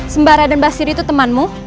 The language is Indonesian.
sembara dan basir itu temanmu